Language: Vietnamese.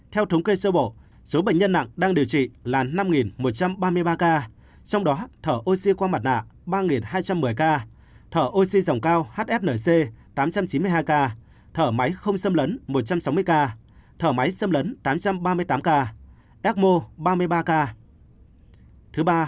theo thống kê sơ bộ số bệnh nhân nặng đang điều trị là năm một trăm ba mươi ba ca trong đó thở oxy qua mặt nạ ba hai trăm một mươi ca thở oxy dòng cao hfnc tám trăm chín mươi hai ca thở máy không xâm lấn một trăm sáu mươi ca thở máy xâm lấn tám trăm ba mươi tám ca dao ba mươi ba ca